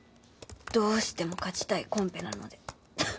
どうしても勝ちたいコンペなので。